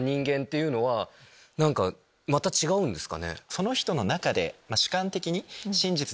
その人の中で。